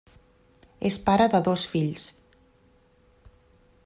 És pare de dos fills.